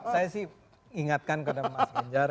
saya sih ingatkan kepada mas ganjar